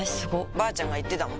ばあちゃんが言ってたもん